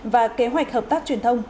và kế hoạch hợp tác truyền thông